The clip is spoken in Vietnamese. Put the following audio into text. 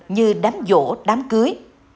như đám vỗ đám cưới